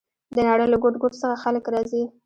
د نړۍ له ګوټ ګوټ څخه خلک راځي.